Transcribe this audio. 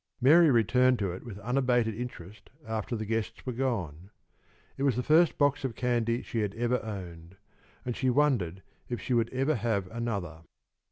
Mary returned to it with unabated interest after the guests were gone. It was the first box of candy she had ever owned, and she wondered if she would ever have another.